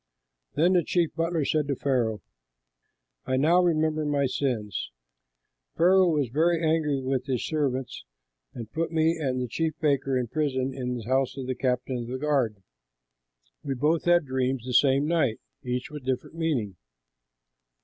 Then the chief butler said to Pharaoh, "I now remember my sins: Pharaoh was very angry with his servants and put me and the chief baker in prison in the house of the captain of the guard. We both had dreams the same night, each with a different meaning.